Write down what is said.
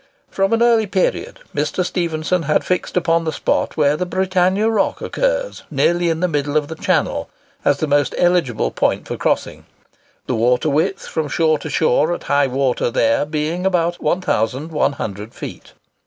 From an early period, Mr. Stephenson had fixed upon the spot where the Britannia Rock occurs, nearly in the middle of the channel, as the most eligible point for crossing; the water width from shore to shore at high water there being about 1100 feet.